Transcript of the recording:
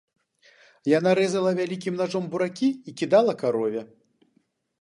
Яна рэзала вялікім нажом буракі і кідала карове.